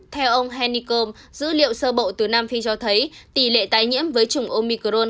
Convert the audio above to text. theo ông hennikom dữ liệu sơ bộ từ nam phi cho thấy tỷ lệ tái nhiễm với chủng omicron